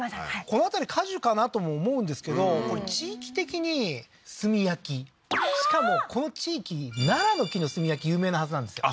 この辺り果樹かなとも思うんですけどこれ地域的に炭焼きああーしかもこの地域楢の木の炭焼き有名なはずなんですよ